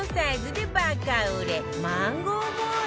マンゴーボール。